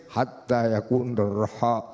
hatta yakun ra'raha